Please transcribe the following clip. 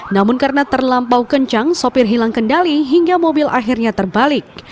namun karena terlampau kencang sopir hilang kendali hingga mobil akhirnya terbalik